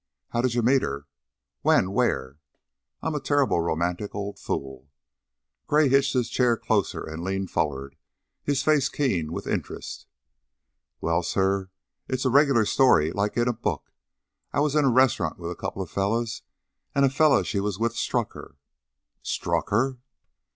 How did you meet her? When? Where? I'm a terribly romantic old fool." Gray hitched his chair closer and leaned forward, his face keen with interest. "Well, sir, it's a regular story, like in a book. I was in a restaurant with a coupla fellers an' a feller she was with struck her " "Struck her?"